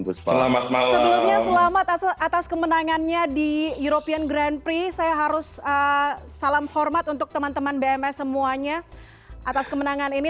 sebelumnya selamat atas kemenangannya di european grand prix saya harus salam hormat untuk teman teman bms semuanya atas kemenangan ini